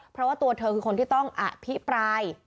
เพราะว่าตัวเธอคือคนที่ต้องอภิปราย